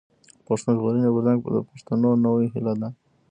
پښتون ژغورني غورځنګ د پښتنو نوې هيله ده.